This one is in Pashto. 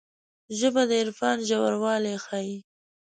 ژبه د عرفان ژوروالی ښيي